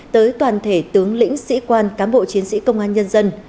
tới toàn thể tướng lĩnh sĩ quan cán bộ chiến sĩ công an nhân dân